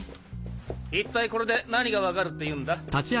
一体これで何がわかるって言うんだ？